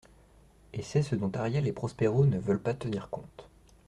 Et c'est ce dont Ariel et Prospero ne veulent pas tenir compte.